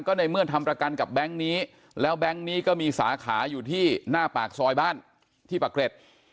ในเมื่อทำประกันกับแบงค์นี้แล้วแบงค์นี้ก็มีสาขาอยู่ที่หน้าปากซอยบ้านที่ปะเกร็ด